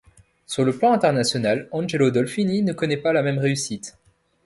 Sur le plan international, Angelo Dolfini ne connaît pas la même réussite.